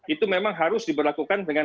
itu memang harus diberlakukan dengan